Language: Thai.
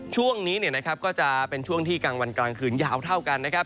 ช่วงนี้ก็จะเป็นช่วงที่กลางวันกลางคืนยาวเท่ากันนะครับ